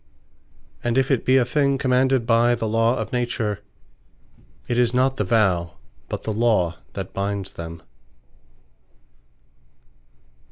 And if it be a thing commanded by the Law of Nature, it is not the Vow, but the Law that binds them.